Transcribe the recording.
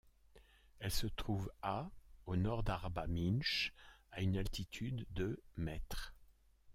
Elle se trouve à au nord d'Arba Minch, à une altitude de m.